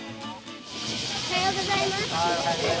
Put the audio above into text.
おはようございます。